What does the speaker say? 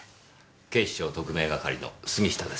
警視庁特命係の杉下です。